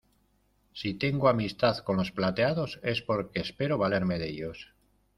si tengo amistad con los plateados, es porque espero valerme de ellos...